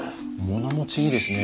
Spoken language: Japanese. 物持ちいいですね。